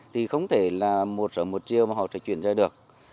thì không thể là một sở một triều mà họ sẽ chuyển ra được